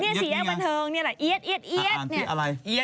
นี่สีแอ๊กบันเทิงนี่แหละเอี๊ยด